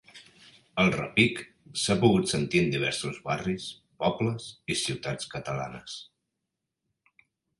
El repic s’ha pogut sentir en diversos barris, pobles i ciutats catalanes.